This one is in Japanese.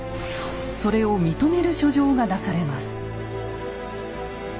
それを認める書状が出されます。